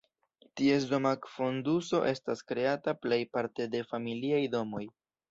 Ties doma fonduso estas kreata plejparte de familiaj domoj.